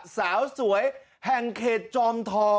สาวสวยแห่งเขตจอมทอ